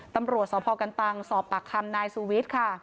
ตำหรวจสพกัลตังสปผักคคร์นายสวิชค่ะ